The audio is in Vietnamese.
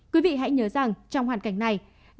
quý vị hãy nhớ rằng trong hoàn cảnh này